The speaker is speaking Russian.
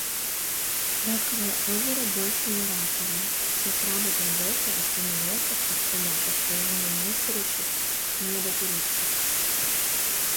Раковое озеро больше не раковое. Все крабы подохли от понаехавших сюда, постоянно мусорящих недотуристов!